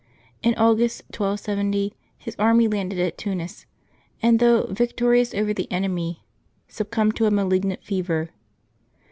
In Au^st, 1270, his army landed at Tunis, and, though yic torious over the enemy, succumbed to a malignant fever.